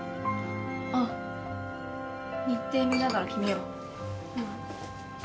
あっ日程見ながら決めよう。